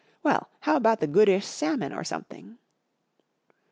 Well, how about the goodish salmon or something